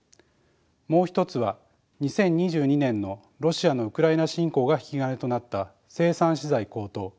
もう一つは２０２２年のロシアのウクライナ侵攻が引き金となった生産資材高騰